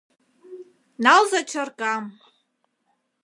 Налза чаркам